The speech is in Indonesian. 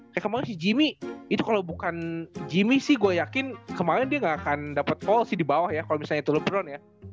kayak kemarin si jimmy itu kalo bukan jimmy sih gue yakin kemarin dia gak akan dapet gol sih dibawah ya kalo misalnya itu lebron ya